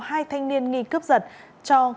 hai thanh niên nghi cướp giật cho công an